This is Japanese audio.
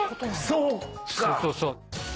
そうそうそう。